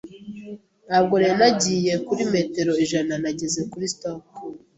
Ntabwo nari nagiye kuri metero ijana ngeze kuri stock.